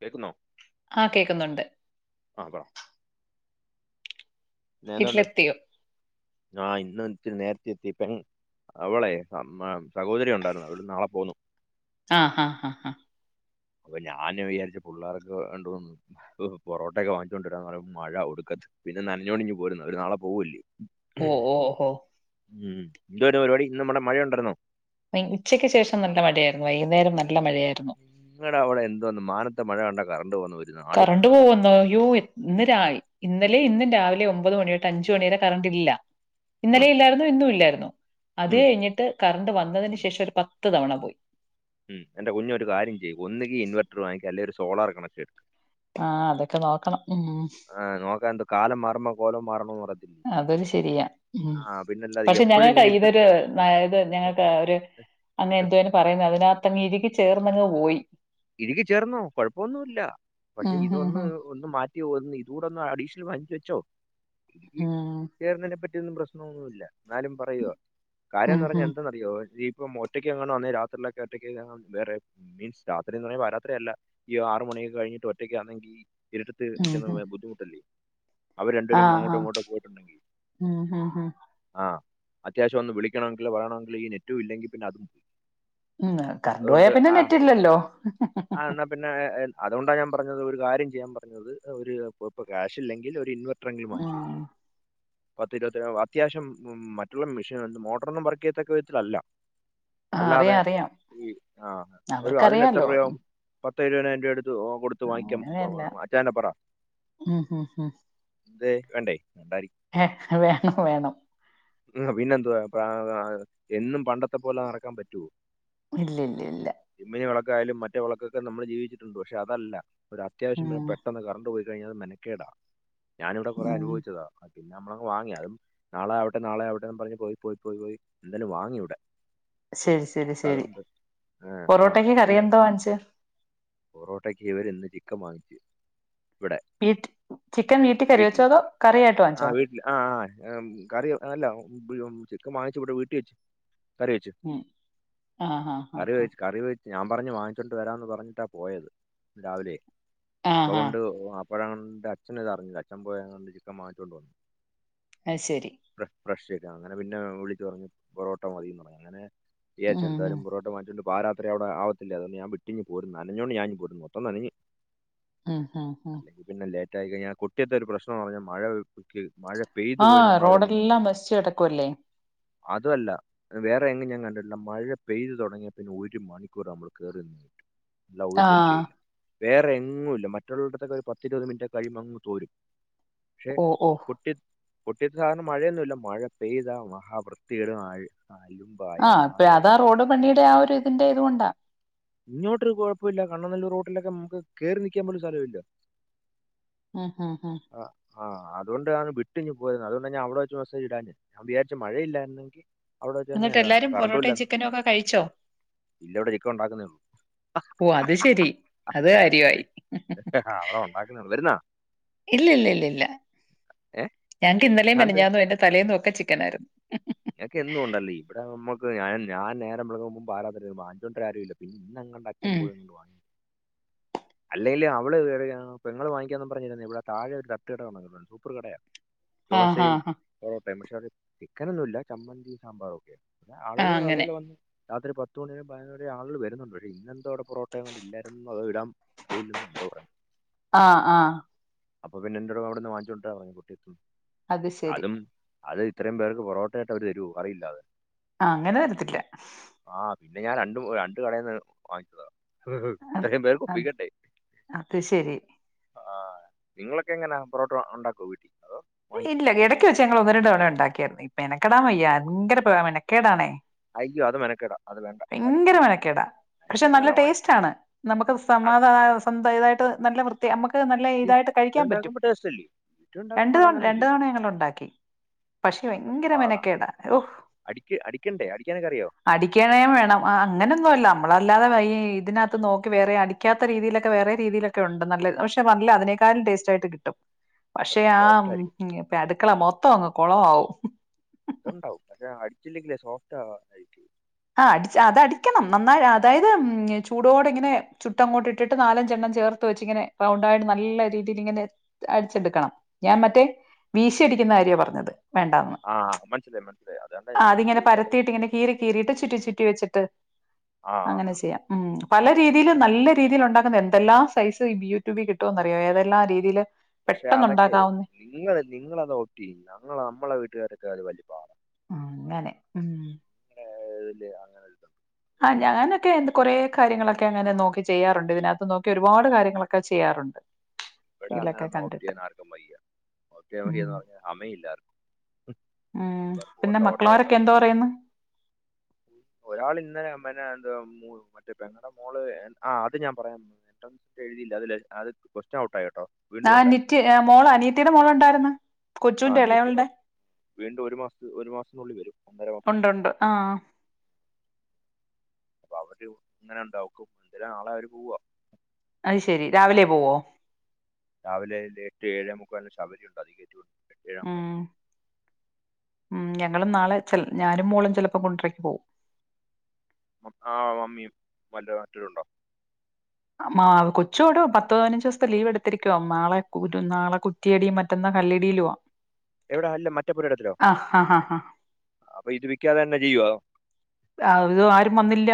കേൾക്കുന്നോ? ആഹ് കേൾക്കുന്നുണ്ട്. ആഹ് പറ. ആഹ് എന്തോണ്ട് വീട്ടിലെത്തിയോ? ആ ഇന്ന് ഇച്ചിരി നേരത്തെ എത്തിയേക്കണ്. അവളെ സഹോദരി ഉണ്ടായിരുന്നു നാളെ പോകുന്നു. ആഹ് ആഹ് ആഹ്. അപ്പൊ ഞാന് വിചാരിച്ച് പുള്ളാർക്ക് രണ്ട്മൂന്ന് പൊറോട്ടൊക്കെ വാങ്ങിച്ചു കൊണ്ട്വരാന്ന് പറഞ്ഞപ്പൊ മഴ ഒടുക്കത്തെ പിന്നെ നനഞ്ഞോണ്ടിഞ്ഞ് പോരുന്നു അവര് നാളെ പോക്വല്ലിയൊ ഓഹ് ഓഹ് ഉം എന്ത്വാര്ന്ന് പരുപാടി ഇന്നവിടെ മഴയുണ്ടാരുന്നോ? ഇന്ന് ഉച്ചയ്ക്ക് ശേഷം നല്ല മഴയായിരുന്നു വൈകുന്നേരം നല്ല മഴയായിരുന്നു. നിങ്ങളെ അവിടെ എന്ത്വാ മാനത്തെ മഴ കണ്ടാ കറണ്ട് പോന്നത്. കറണ്ട് പോവ്വന്നോ യ്യോ. ഇന്ന് ഇന്നലെ ഇന്നും രാവിലെ ഒമ്പത് മണിതൊട്ട് അഞ്ച് മണി വരെ കറണ്ടില്ല. ഉം, ഇന്നലെ ഇല്ലായിരുന്നു ഇന്നും ഇല്ലായിര്ന്നു അത് ഉം, കഴിഞ്ഞിട്ട് കറണ്ട് വന്നതിന് ഉം, ശേഷം ഒരു പത്ത് തവണ പോയി. ഉം എന്റെ കുഞ്ഞൊരു കാര്യം ചെയ്യ് ഒന്നുകി ഇൻവൈറ്റർ വാങ്ങിക് അല്ലെങ്കിൽ ഒരു സോളാർ കണക്ഷൻ എടുക്. ആഹ് അതൊക്കെ നോക്കണം. ആഹ് നോക്കായെന്ത് കാലം മാറ്മ്പൊ കോലം മാറണമെന്ന് പറയ അതൊരു ശരിയാ പിന്നല്ലാതെ പക്ഷെ എപ്പോഴും ഇങ്ങനെ ഇരുത്ത ഞങ്ങക്കിതൊരു ഇത് ഞങ്ങൾക്ക് ഒരു. അങ്ങനെ എന്തുവാ പറയുന്നുന്നത് അതിനകത്തങ്ങ് ഇഴുകി ചേർന്നങ്ങ് പോയി. ഇഴുകി ചേർന്നോ കൊഴപ്പൊന്നുമില്ല പക്ഷെ ഉം, ഹും, ഇതൊന്ന്. ഹും. ഒന്ന് മാറ്റിയൊന്ന് ഇത് കൂടൊന്ന് അഡീഷണൽ മാറ്റി വെച്ചോ ഇഴുകി ഉം. ചേർന്നതിനെ പറ്റി. ന്നും പ്രശ്നമൊന്നുമില്ല എന്നാലും പറയുവ കാര്യം ഉം, എന്ന് പറഞ്ഞ ഹും. എന്താന്നറിയോ ഇനിയിപ്പോ ഒറ്റയ്ക്ക് എങ്ങാനും അന്നേ രാത്രിയിലൊക്കെ ഒറ്റയ്ക്ക് വേറെ മീൻസ്. രാത്രി എന്ന് പറഞ്ഞാ പാരാത്രി അല്ല ഈ ആറു മണിയൊക്ക കഴിഞ്ഞിട്ട് ഒറ്റയ്ക്കാണെങ്കിൽ. ഇരുട്ടത്ത് ഉം, ഹും. ഇരിക്കുന്നത് ബുദ്ധിമുട്ടല്ലേ? അവര് രണ്ട് പേരും ആഹ് അങ്ങോട്ടും ആഹ് ഇങ്ങോട്ടും പോയിട്ടുണ്ടെങ്കിൽ. ഉം ഉം ഉം ആഹ് അത്യാവശ്യം ഒന്ന് വിളിക്കണമെങ്കിലോ പറയണമെങ്കിലോ ഈ നെറ്റും ഇല്ലെങ്കിൽ പിന്നെ അതും. ഉം കറണ്ട് പോയാ പിന്നെ നെറ്റില്ലല്ലോ. എന്നാൽ പിന്നെ അതുകൊണ്ടാണ് ഞാൻ പറഞ്ഞത് ഒരു കാര്യം ചെയ്യാൻ പറഞ്ഞത് ഒരു ഇ ക്യാഷില്ലെങ്കിൽ ഒരു ഇൻവൈറ്റർ എങ്കിലും വാങ്ങിച്ചു ഉം വെക്ക് പത്തിരുപത്തി അത്യാവശ്യം മറ്റുള്ള മെഷീൻ മോട്ടറൊന്നും വർക്ക് ചെയ്യത്തക്ക വിധത്തിലല്ല. ആഹ് അല്ലാതെ അറിയാം അറിയാം ഈ ആ ഒരു അതിനെ അവർക്കറിയാലോ പത്തൊയിരുപതിനായിരം രൂപ എടുത്ത് കൊടുത്ത് വാങ്ങിക്കാൻ അങ്ങനെയല്ല അച്ചാന്റെ പറ. ഉം ഉം ഉം എന്തേ വേണ്ടേ വേണ്ടായിരിക്കും. ഏഹ് വേണം വേണം. ഉം പിന്നെതുവാ എന്നും പണ്ടത്തെ പോലെ നടക്കാൻ പറ്റുവോ? ഇല്ലില്ലില്ല. ചിമ്മിനി വിളക്കായാലും മറ്റേ വിളക്കൊക്കെ നമ്മള് ജീവിച്ചിട്ടുണ്ട് പക്ഷെ അതല്ല ഒരു അത്യാവശ്യം ഉം വരുമ്പോൾ പെട്ടെന്ന് കറണ്ട് പോയി. കഴിഞ്ഞാലത് മെനക്കേടാ ഞാനിവിടെ കൊറെ ഉം അനുഭവിച്ചതാ പിന്നെ നമ്മളതങ്ങ് വാങ്ങിയതും നാളെ. നാളെ ആവിട്ടേന്ന് പറഞ്ഞ് പോയി പോയി പോയി എന്നാലും വാങ്ങി ഇവിടെ. ശരി ശരി അപ്പൊ ശരി അതുകൊണ്ട് ആ ആ പൊറോട്ടക്ക് കറി എന്തോ വാങ്ങിച്ച്? പൊറോട്ടക്ക് ഇവരിന്ന് ചിക്കൻ വാങ്ങിച്ചു. വീട്ട് ചിക്കൻ വീട്ടിൽ കറി വെച്ചോ അതോ കറിയായിട്ട് വാങ്ങിച്ചോ? ഇല്ലാ ആഹ് ആഹ് ഏഹ് കറി അല്ലാ ബ് ചിക്കൻ വാങ്ങിച്ചു ഇവടെ വീട്ടി വെച്ചു കറി വെച്ചു ഉം ആഹ് ആഹ് കറി ആഹ് ആഹ് വെച് കറി വെച്ച് ഞാൻ പറഞ്ഞു വാങ്ങിച്ചോണ്ട് വെരാന്ന് പറഞ്ഞിട്ടാ പോയത് രാവിലെ ആഹ് അപ്പം ആഹ് ഒണ്ട് അപ് അപ്പഴൊണ്ട് അച്ഛൻ ഇത് അറിഞ്ഞില്ല അച്ഛൻ പോയി എങ്ങാണ്ട് ചിക്കൻ വാങ്ങിച്ചോണ്ട് വന്നു അയ് ശെരി ഫ്രഷ് ഫ്രഷ് ചിക്കനാ അങ്ങനെ പിന്നെ വിളിച്ച് പറഞ്ഞു പൊറോട്ട മതീന്ന് പറഞ്ഞു പിന്നെ അങ്ങനെ ഉം വിചാരിച്ചു ഉം എന്തായാലും പൊറോട്ട വാങ്ങിച്ചോണ്ട് പാതിരാത്രി അവിടെ ആവത്തില്ലാ അതുകൊണ്ടു ഞാൻ വീട്ടിഞ്ഞു പോരും നനഞ്ഞോണ്ട് ഞാൻ ഇങ്ങ് പോരും മൊത്തം നനഞ്ഞ്. ആഹ് ആഹ് ആഹ് അല്ലെങ്കിൽ പിന്നെ ലേറ്റായി കഴിഞ്ഞാ കൊട്ടിയത്ത് ഒരു പ്രശ്നാന്ന് പറഞ്ഞ് മഴക്ക് മഴ പെയ്തു പോയി ആഹ് നമ്മളവിടെ റോഡെല്ലാം നശിച്ചു കെടക്കുവല്ലേ അതുവല്ലാ ആഹ് വേറെ എങ്ങും ഞാൻ കണ്ടിട്ടില്ലാ മഴ പെയ്തു തൊടങ്ങിയാ പിന്നെ ഒരു മണിക്കൂര് നമ്മള് കേറി [unintelligible] അല്ലാതെ ഒരു ആഹ് രക്ഷയില്ലാ വേറെ എങ്ങും ഇല്ലാ മറ്റുള്ളോടത്തൊക്കെ ഒരു പത്തിരുപത് മിനിറ്റ് കഴിയുമ്പ അങ്ങ് തോരും പക്ഷെ ഓ ഓ കൊട്ടിയത് കൊട്ടിയത്ത് സാധാരണ മഴയൊന്നു ഇല്ലാ മഴ പെയ്താ മഹാ വൃത്തി കേടും ആഴ് ആലും ആഹ് ഇപ്പഴാ അതാ റോഡ് പണീടെ ആ ഒരു ഇതിന്റെ ഇതുകൊണ്ടാ ഇങ്ങോട്ടൊരു കൊഴപ്പോം ഇല്ലാ കണ്ണന്നല്ലൂർ റോട്ടിലൊക്കെ നമ്മക്ക് കേറി നിക്കാൻ പോലും സ്ഥലം ഇല്ലാ ആഹ് ആഹ് ആഹ് ആഹ് ആഹ് അതുകൊണ്ടാ ഞാൻ വീട്ടിഞ്ഞു പോരുന്നെ അതുകൊണ്ടാ ഞാൻ അവിടെ വെച്ച് മെസ്സേജ് ഇടാഞ്ഞെ ഞാൻ വിചാരിച്ചു മഴയില്ലായിരുന്നെങ്കി അവിടെ വെച്ച് തന്നെ എന്നിട്ട് [unintelligible] അപ്പൊ എല്ലാരും കറൻ്റും ഇല്ലാ പൊറോട്ടയും ചിക്കനും ഒക്കെ കഴിച്ചോ ഇല്ല ഇവിടെ ചിക്കൻ ഒണ്ടാക്കുന്നേ ഒള്ളൂ ഓ അത് ശെരി അത് കാര്യമായി അവൾ ഒണ്ടാക്കുന്നെ ഒള്ളൂ വരുന്നാ? ഇല്ല ഇല്ല ഇല്ല ഇല്ല ഏഹ് ക്ക് ഇന്നലേ മെനഞ്ഞാന്നും അതിന്റെ തലേന്നും ഒക്കെ ചിക്കനായിരുന്നു നിങ്ങക്ക് എന്നും ഒണ്ടല്ലേ ഇവിടെ നമ്മക്ക് ഞാൻ ഞാൻ നേരം വെളുക്കുമ്പം പാതിരാത്രി വെരും വാങ്ങിച്ചോണ്ട് വെരാൻ ആരുവില്ലാ പിൻ ഇന്നെങ്ങാണ്ട് അച്ഛൻ ഉം പോയോണ്ട് വാങ്ങിച്ചു അല്ലേലും അവള് കേറിയാ പെങ്ങള് വാങ്ങിക്കാന്ന് പറഞ്ഞിരുന്നെയാ ഇവിടെ താഴെ ഒരു തട്ടുകട തൊടങ്ങ് [unintelligible] സൂപ്പറ് കടയാ ആഹ് ദോശയും ആഹ് പൊറോട്ടയും പക്ഷെ അത് ചിക്കനൊന്നും ഇല്ലാ ചമ്മന്തിയും സാമ്പാറും ഒക്കെയായിട്ട് പിന്നെ ആഹ് ആളുകള് നല്ല അങ്ങനെ പോലെ വന്ന് രാത്രി പത്ത് മണി വരേം പതിനൊന്ന് വരേം ആളുകള് വെരുന്നുണ്ട് പക്ഷെ ഇന്ന് എന്തോ അവിട പൊറോട്ട എങ്ങാണ്ട് ഇല്ലായിരുന്നു അതോ ഇടാൻ പോയില്ലെന്നോ എന്തോ പറഞ്ഞു. ആഹ് ആഹ് അപ്പൊ പിന്നെ എൻ്റൊട് അവിടെന്ന് വാങ്ങിച്ചോണ്ട് വരാൻ പറഞ്ഞു കൊട്ടിയത്തൂന്ന് അത് ശെരി അതും അത് ഇത്രയും പേർക്ക് പൊറോട്ടയായിട്ട് അവരു തരുവോ കറിയില്ലാതെ ആഹ് അങ്ങനെ തരത്തില്ലാ ആഹ് പിന്നെ ഞാൻ രണ്ടും രണ്ട് കടയിന്ന് വാങ്ങിച്ചതാ ഇത്രയും പേർക്ക് അത് ഒപ്പിക്കണ്ടേ അത് ശരി ആഹ് നിങ്ങളൊക്കെ എങ്ങനെയാ പൊറോട്ടോ ഒണ്ടാക്കോ വീട്ടി അതോ? വാങ്ങിക്കോ ഇല്ലാ എടക്ക് വെച്ച് ഞങ്ങൾ ഒന്ന് രണ്ട് തവണ ഒണ്ടാക്കിയായിരുന്നു ഈ മെനക്കെടാൻ വയ്യാ ഭയങ്കര മെനക്കേടാണേ അയ്യോ അത് മെനക്കേടാ അത് വേണ്ട ഭയങ്കര അടിക്കുന്നു മെനക്കേടാ പക്ഷെ അതിനെക്കാട്ടി നല്ല നല്ലതാ ടേസ്റ്റ് വാങ്ങിക്കുന്നത് ആണ് നമ്മക്ക് സമാധാന സ്വന്ത ഇതായിട്ട് നല്ല വൃത്തി നമ്മക്ക് നല്ല ഇതായിട്ട് വീട്ടിൽ കഴിക്കാൻ പറ്റും ഉണ്ടാക്കുമ്പോ ടേസ്റ്റ് അല്ലേ വീട്ടിൽ രണ്ട് ഉണ്ടാക്കുമ്പോ തവണ രണ്ടു അതങ്ങനല്ലേ തവണ ഞങ്ങൾ ഒണ്ടാക്കി. പക്ഷെ ആ ഭയങ്കര പാടാ മെനക്കേടാ ഓഹ് അടിക്ക് അടിക്കണ്ടേ അടിക്കാനൊക്കെ അറിയോ അടിക്കാണേൻ വേണംആഹ് അങ്ങനൊന്നുല്ല നമ്മളല്ലാതെ വഴേയെ ഇതിനകത്ത് നോക്കി വേറെ അടി പിക്കാത്ത രീതിയിലൊക്കെ വേറെ രീതിയിലൊക്കെ ഉണ്ട്. നല്ലത് പക്ഷെ നല്ല അതിനേക്കാളും ടേസ്റ്റായിട്ട് കിട്ടും. പക്ഷേ പക്ഷെ ആ സോഫ്റ്റ് ആയിരിക്കും ഉം ഇപ്പെ അടുക്കള മൊത്തം അങ്ങ് കുള ആവും. അത്ണ്ടാവും പക്ഷേ ആയിട്ടില്ലെങ്കില്ലേ സോഫ്റ്റ് ആ ആയിറ്റ് ആഹ് അടിച്ച് അതടിക്കണം. നന്നായി അതായത് ചൂടോടിങ്ങനെ ചുട്ടങ്ങോട്ട് ഇട്ടിട്ട് നാലഞ്ചണ്ണം ചേർ തോച്ച്ങ്ങനെ റൗണ്ടായിട്ട് നല്ല രീതീയിലിങ്ങനെ അടിച്ചെടുക്കണം. ഞാൻ മറ്റേ വീശിയടിക്കുന്ന കാര്യാ പറഞ്ഞത്. വേണ്ടാന്ന് ആഹ് മൻസിലായി മൻസിലായി അതെന്നെ ആഹ് ഞാനും അതിങ്ങനെ ചോയിച്ച് പരത്തിയിട്ട് അല്ലൊയിച്ചെ. ഇങ്ങനെ കീറി കീറിയിട്ട് ചുറ്റി ചുറ്റി വെച്ചിട്ട് ആ ആ. അങ്ങനെ ആ. ചെയ്യാം. ഉം പല രീതീയിലും നല്ല രീതീലുണ്ടാക്കുന്ന എന്തെല്ലാം സൈസ് ഈ ബ്യൂ റ്റുബി കിട്ടോന്നറിയോ? ഉം. ഏതെല്ലാം രീതീല് പെട്ടെന്നുണ്ടാക്കാവുന്ന നിങ്ങള് നിങ്ങളതോക്കി ഞങ്ങള അമ്മളെ വീട്ടുകാരെക്കാള് വലിപ്പാ. അങ്ങനെ ഉം. [unintelligible] അങ്ങനൊള്ളു. ആഹ് ഞാനൊക്കെ എന്ത് കൊറേ കാര്യങ്ങളൊക്കെ അങ്ങനെ നോക്കി ചെയ്യാറുണ്ട്. ഇതിനാകത്ത് നോക്കി ഒരുപാട് കാര്യങ്ങളൊക്കെ ചെയ്യാറുണ്ട്. ഇവിടെ അങ്ങനെ റീലൊക്കെ കണ്ടിട്ട് നോക്കിയ്യാൻ ആർക്കും വെയ്യ. നോക്കിയാ ഉം മതീന്ന് പർഞ്ഞാ അമയില്ലാര്ന്നു. ഉം തെരക് ഓട്ടൊ ഓട്ടൊ ഓട്ടൊ ന്താ പറയുന്നെ? ഒരാൾ ഇന്നലെ പിന്നെ എന്തൊ മു മറ്റേ പെങ്ങടെ മോള് ആ അത് ഞാൻ പറയാൻ പോ ട്ടം എഴുതില്ലതില് ആദ്യം കൊറ്ച്ച് ഔട്ടായിട്ടോ. ആ നിറ്റ് അ മോള് അനിയത്തീടെ മോള്ണ്ടായിര്ന്നു. ആ കൊച്ചൂന്റെ നീറ്റ് എളയവ്ൾടെ വീണ്ടും ഒരു മാസത്ത് ഒരു മാസത്തിനുള്ളിൽ വരും ഒന്നര ഉണ്ട് ഉണ്ട് ആഹ് പ്പ അവര് ഇങ്ങനെണ്ടാക്കും. ഇൻ നാള അവര് പോവാ. അയ് ശെരി രാവിലെ പോവോ? രാവിലെ എട്ട് ഏഴേമുക്കാലിന് ശബരി ഉണ്ട് അധികേറ്റിവിടും എട്ടേ അമ്പത്. ഉം ഉം ഞങ്ങള് നാളെ ചെൽ ഞാനും മോളും ചെലപ്പം കൊണ്ടരക്ക് പോവും. ആ മമ്മിയും വല്ല മറ്റൊരുണ്ടോ? അമാവ് കൊച്ചു അവടെ പത്ത് പതിനഞ്ച് ദിവസത്തെ ലീവ് എടുത്തിരിക്കുവാ നാളെ കൂടും നാളെ കുറ്റിയടി മറ്റന്നാ കല്ലടിയിലുആ. എവിടെ അല്ല് മറ്റപ്പുരടത്തിലോ ആഹ് ആഹ് അപ്പൊ ഇത് വിക്കാതെ തന്നെ ചെയ്യുവാ അതൊ? ആഹ് ഇത് ആരും വന്നില്ല.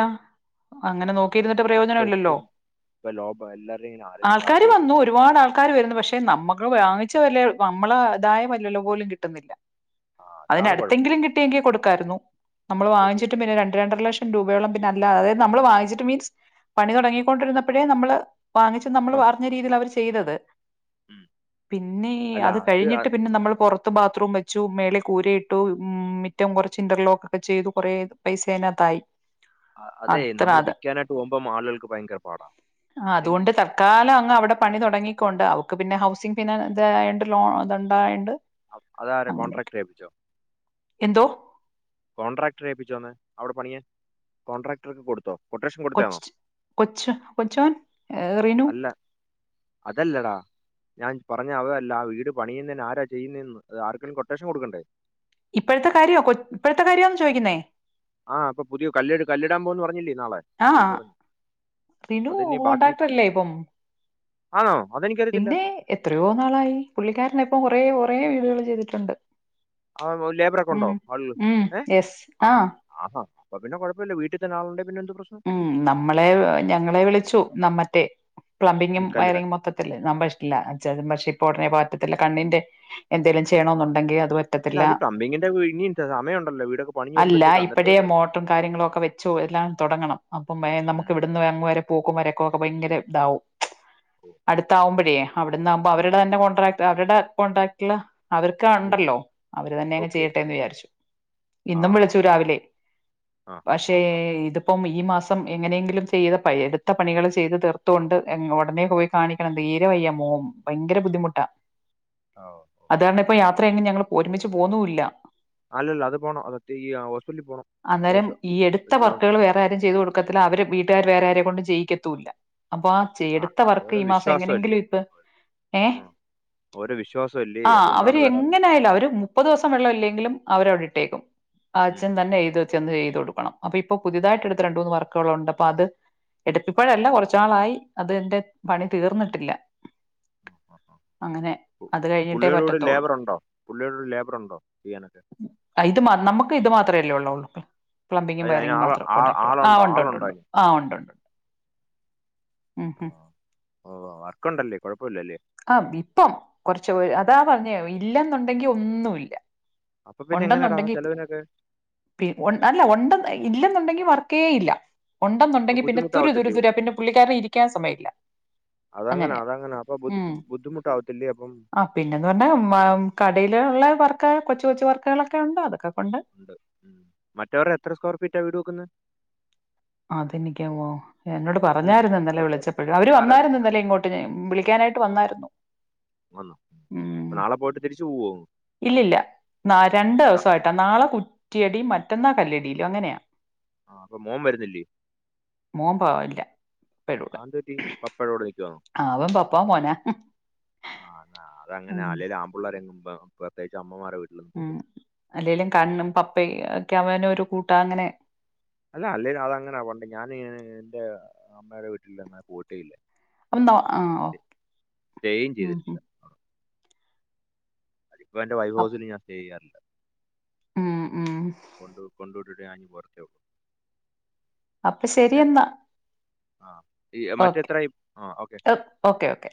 ആ അങ്ങനെ അതാണ് നോക്കിരുന്നിട്ട് ഇപ്പൊ ഇപ്പൊ പ്രയോജനല്ലല്ലോ. ഇപ്പൊ ലോഭം എല്ലാവരുടെയും ഇങ്ങനെ ആരെങ്കിലും ആൾക്കാര് കാശുമില്ല വന്നു ഓയി ഒരുപാട് ആൾക്കാര് വരുണ്ട്. പക്ഷെ നമ്മക്ക് വാങ്ങിച്ച വെലെ നമ്മള് ഇതായ വെല്ലല്ലും പോലും കിട്ടുന്നില്ല. ആ അതാണ് കുഴപ്പം അതിന്നടുത്തെങ്കിലും കിട്ടിയെങ്കിൽ കൊടുക്കായിരുന്നു. നമ്മൾ അത് വാങ്ങിച്ച് ശരിയാ പിന്നെ രണ്ട് രണ്ടര ലക്ഷം രൂപയോളം പിന്നെല്ലാതെ നമ്മള് വാങ്ങിച്ചിട്ട് മീൻസ് ആ, പണിതൊടങ്ങിക്കൊണ്ടിരുന്നപ്പ ഴെ നമ്മള് വാങ്ങിച് നമ്മള് ആ, പറഞ്ഞ രീതീലവർ ചെയ്തത്. ഉം. പിന്നേ അത് കഴിഞ്ഞിട്ട് പിന്നെ നമ്മൾ പൊറ് ത്ത് ബാത്റൂം വെച്ചു. മേലെ കൂര ഇട്ടു. ഉം മിറ്റം കൊറ്ച്ച് ഇന്റർലോക്കൊക്കെ ചെയ്തു. കൊറേ പൈസ അയിനാത്തായി. അതെ നമ്മൾ വിക്കാനായിട്ട് പോവുമ്പം ആളുകൾക്ക് ഭയങ്കര പാടാ. ഇല്ലെങ്കി ക്കാല അങ്ങ് അവിടെ പണി തൊടങ്ങിക്കോണ്ട് അവക്ക് പിന്നെ ഹൗസിങ്ങ് പിന്നെ ഇതായണ്ട് ലോൺ ഇത്ണ്ടായോണ്ട്. അവ് അതാരെ കോൺട്രാക്ട് ഏല്പിച്ചോ? എന്തോ? കോൺട്രാക്ടറേ ഏപ്പിച്ചോന്ന് അവിടെ പണിയാൻ കോട്രാക്ടർക്ക് കൊടുത്തോ കൊട്ടേഷൻ കൊടുത്താണോ കൊച്ച് കൊച്ചു കൊച്ചോൻ റിനു അല്ല അതല്ലടാ ഞാൻ പറഞ്ഞ അതല്ല ആ വീട് പണിയുന്നേന് ആരാ ചെയ്യുന്നേന്ന് അതാർക്കേലും കൊട്ടേഷൻ കൊടുക്കണ്ടേ ഇപ്പഴത്തെ കാര്യോ കൊ ഇപ്പോഴത്തെ കാര്യാന്ന് ചോയിക്കുന്നേ ആഹ് ഇപ്പൊ പുതിയ കല്ല് കല്ലിടാൻ പോന്ന് പറഞ്ഞില്ലേ നാളെ ആഹ് പറഞ്ഞു റിനു അതിനി ബാക്കി കോണ്ടട്രാക്ടറല്ലേ ഇപ്പം ആണോ അതെനിക്കറിയത്തില്ല പിന്നെ എത്രയോ നാളായി പുള്ളിക്കാര്ന്പ്പം കൊറേ കൊറേ വീടുകൾ ചെയ്തിട്ടുണ്ട് ആന്നോ ലേബറൊക്കെ ഉണ്ടോ ഉം. ആള്‌കള ഉം. ഏഹ് യെസ്. ആഹ് ആഹാ അപ്പൊ പിന്നെ കുഴപ്പല്ല വീട്ടിതന്നെ ആളുണ്ടെ പിന്നെ എന്ത് പ്രശ്നം ഉം നമ്മളെ ഞങ്ങളെ വിളിച്ചു മറ്റേ പ്ലംബിങ്ങും ഉം, കല്ലിടാൻ വയറിങ്ങും മൊത്തത്തില് നമ്മ ഇല്ല അച്ചനും പക്ഷേ ഇപ്പൊ ഒടനെ പറ്റത്തില്ല കണ്ണിന്റെ എന്തേലും ആ ചെയ്യണന്നുണ്ടെങ്കി അത് അല്ല പറ്റത്തില്ല അതിൽ പ്ലംബിങ്ങിന്റെ ഇനിയും സമയമുണ്ടല്ലോ വീടൊക്കെ പണിഞ്ഞു അല്ല വരുമ്പോഴത്തേക്ക് ഇപ്പോഴേ അന്നേരത്തേക്ക് മോ കാര്യങ്ങളൊക്കെ വെച്ചു എല്ലാം തുടങ്ങണം അപ്പം ഭയ പോരെ നമ്മുക്ക് ഇവിടന്ന് അങ്ങ് വരെ പോക്കും വരക്കും ഒക്കെ ഭയങ്കര ഇതാവും ഓ, അടുത്താവുമ്പോഴേ അവിടുന്ന് ആകുമ്പോ ഉം. അവരുടെ തന്നെ കോട്രാക്ട് അവരുടെ കോൺട്രാക്‌റ്റില്ല് അവർക്ക് ഉം. ഉണ്ടല്ലോ അവര് തന്നെ അങ്ങ് ഓക്കെ. ചെയ്യട്ടെന്ന് വിചാരിച്ചു ആ ഇന്നും വിളിച്ചു ഓക്കെ. രാവിലെ ആ, ആ, പക്ഷേ ആ, ഇത് ഇപ്പം ഈ മാസം എങ്ങനെയെങ്കിലും ചെയ്ത പൈ എടുത്ത പണികള് ചെയ്ത് തീർത്തുകൊണ്ട് എങ്ങോ ഉടനെ പോയി കാണിക്കണം തീരെ വയ്യ മോം ഭയങ്കര ബുദ്ധിമുട്ടാ ആവോ അതുകാരണം ഇപ്പൊ യാത്രയെങ്ങും ഞങ്ങള് ഒരുമിച്ച് പോന്നും ഇല്ല അല്ലല്ല അത് പോണം അത് അത് അത് ഹോസ്പറ്റലി പോണം അത്യാവശ്യ വെച്ച് താമ അവരാരും ചെയ്ത് കൊടുക്കത്തില്ല അവര് വീട്ടുകാര് വേറെ ആരേം കൊണ്ടും ചെയ്യിക്കത്തൂല്ല അപ്പൊ ആ ചേ എടുത്ത ഇത് വർക്ക് ഓരോ ഈ മാസം വിശ്വാസമല്ലേ. എങ്ങനെങ്കിലും ഇപ്പം ഏഹ് ആ. ഓരോ വിശ്വാസമല്ലേ. ആഹ അതുകൊണ്ടാണ് അവര് വേറെ ആരും എങ്ങനായാലും അവര് മുപ്പത് ദിവസം വെള്ളം ഇല്ലങ്കിലും അവര് അവിടെ ഇട്ടേക്കും ഉം. ആച്ഛൻ ഉം. തന്നെ ഉം. എഴത് ചെന്ന്ചെയ്തു കൊടുക്കണം അപ്പൊ ഇപ്പം പുതിയതായിട്ട് ഓക്കെ. എടുത്ത രണ്ട് മൂന്ന് വർക്കുകളുണ്ട് അപ്പൊ അത് എടു ആ, ഇപ്പോഴല്ല കുറച്ച് നാളായി അത് എന്റെ പണി തീർന്നിട്ടില്ല അങ്ങനെ ആഹ് അത് കഴിഞ്ഞിട്ടേ പുള്ളിടെ കൂടെ പറ്റത്തുള്ളൂ ലേബറുണ്ടോ പുള്ളിടെകൂടെ ലേബർറുണ്ടോ ചെയ്യാനൊക്കെ ഇത് മാത് നമുക്ക് ഇത് മാത്രമല്ലേ ഉള്ളൂ പ്ലംബിങ്ങും അത് അതിന് വയറിങ്ങും ആള് മാത്രം ആ കോൺടാക്ട്ർ ആഹ് ആളുണ്ടോ? ഉണ്ട് ഉണ്ട് ആളുണ്ടോ ഉണ്ട് അതിന്? ആഹ ഉണ്ട്ണ്ട് ഉം ആ. ഉം ഓ വർക്ക് ഉണ്ടല്ലേ. കുഴപ്പമില്ലല്ലേ. ആഹ് ഇപ്പം കുറച്ച് പേര് ഉം. അതാ പറഞ്ഞേ ഇല്ലെന്നുണ്ടെങ്കി ഒന്നുല്ല അപ്പൊ പിന്നെ എങ്ങനെടാ ഉണ്ടെന്നുണ്ടെങ്കി ചെലവിനൊക്കെ? പി ഉണ്ട് അല്ല ഉണ്ടെന്ന് ഇല്ലെന്നുണ്ടെങ്കി വർക്കേ ഇല്ല അപ്പൊ ഉണ്ടെന്നുണ്ടെങ്കി പിന്നെ തുരു തുരു ബുദ്ധിമുട്ടാവത്തില്ലേ? തുരാ പിന്നെ പുള്ളിക്കാരന് ഇരിക്കാൻ സമ്മയിക്കില്ല അതങ്ങന അതങ്ങന അപ്പൊ ബുദ്ധിമുട്ട് ആവത്തില്ലേ അപ്പം ആഹ് പിന്നെന്ന് പറഞ്ഞാ കടയിലുള്ള വർക്ക് കൊച്ച് കൊച്ച് വർക്കുകളൊക്കെ ഉണ്ട് അതൊക്കെ കൊണ്ട് ണ്ട് ഉം മറ്റവര് എത്ര സ്ക്വയർ ഫീറ്റാ വീട് വെക്കുന്നെ അത് എനിക്ക് ഓ എന്നോട് ഉം. പറഞ്ഞായിരുന്നു അല്ല ഇന്നലെ പോട്ടെ, വിളിച്ചപ്പഴ് പോട്ടെ അവര് സാരമില്ല. വന്നായിരുന്ന് ഞാൻ ഇന്നല്ലേ ഇങ്ങോട്ട് എ വിളിക്കാനായിട്ട് ആ വന്നായിരുന്നു വന്നോ ഉം അപ്പ നാളെ പോയിട്ട് തിരിച്ച് പോവോ ഇല്ലില്ല ന രണ്ട് ദിവസമായിട്ടാ നാളെ കുറ്റിയടിയും മറ്റന്നാ കല്ലടിലും അങ്ങനെയാ ആഹ അപ്പൊ മോൻ വരുന്നില്ലേ മോൻ പാവല്ലേ പെടു അതെന്ത് പറ്റി പപ്പടെ കൂടെ നിക്കുവോ ആവൻ പപ്പാ മോനാ ഉം ആഹ് അത അതങ്ങനാ അല്ലേലും ആമ്പിള്ളേരെങ്ങും പെ പ്രത്യേകിച്ച് അമ്മമാരെ വീട്ടിൽ ഉം അല്ലെലും കണ്ണും പപ്പയും ഒക്കെ അവന് ഒരു കൂട്ട അങ്ങനെ അല്ല അല്ലേലും അത് അങ്ങനെയാ വണ്ട് ഞാന് എന്റെ അമ്മയുടെ വീട്ടില്ന്നാ പോയിട്ടേയില്ല ഒന്നോ ആ ഓ സ്റ്റെ സ്റ്റെയും ഉം ഉം ചെയ്തിട്ടില്ല അതിപ്പോ എന്റെ വൈഫ് അപ് ഹൗസിൽ ഞൻ സ്റ്റേചെയ്യാറില്ല ഉം ഉം കൊണ്ട് കൊണ്ടുവിട്ടിട്ടേ ഞാനിങ്ങ് പോരത്തെയുള്ളു അപ്പൊ ശരിയെന്നാ ആഹ് ഈ ഓക്കെ മറ്റെത്രയി ആഹ് ഓക്കെ ഓക്കെ ഓക്കെ